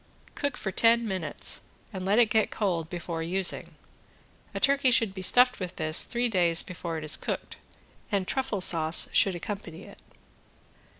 Cook for ten minutes and let it get cold before using. A turkey should be stuffed with this three days before it is cooked, and truffle sauce should accompany it.